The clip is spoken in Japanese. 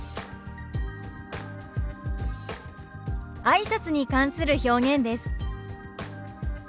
「あいさつ」に関する表現です。